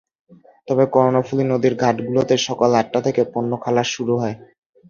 তবে কর্ণফুলী নদীর ঘাটগুলোতে সকাল আটটা থেকে পণ্য খালাস শুরু হয়।